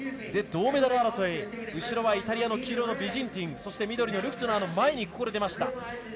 銅メダル争い、後ろはイタリアの黄色のビジンティンそして緑のルフトゥナーの前に出ました。